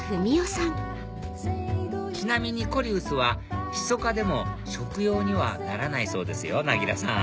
ちなみにコリウスはシソ科でも食用にはならないそうですよなぎらさん